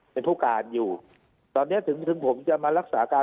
เป็นผู้การอยู่ตอนนี้ถึงถึงผมจะมารักษาการ